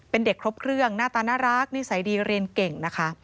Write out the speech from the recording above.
เป็นเด็กครบเครื่องหน้าตาน่ารักนิสัยดีเรียนเก่งนะคะ